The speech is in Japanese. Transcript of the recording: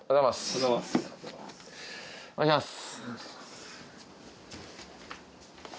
お願いします。